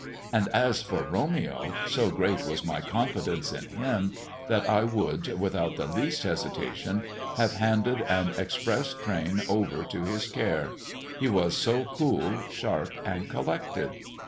And as for Romeo, so great was my confidence in him, that I would, without the least hesitation, have handed an express train over to his care; he was so cool, sharp, and collected.